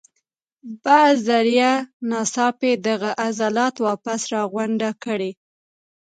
پۀ ذريعه ناڅاپي دغه عضلات واپس راغونډ کړي